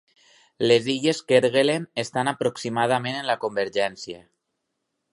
Les illes Kerguelen estan aproximadament en la convergència.